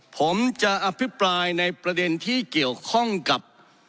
ผมจะอภิปรายในประเด็นที่เกี่ยวข้องกับ